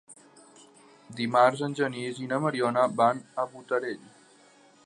Dimarts en Genís i na Mariona van a Botarell.